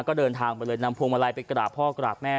ก็เดินทางไปเลยนำพวงมาลัยไปกราบพ่อกราบแม่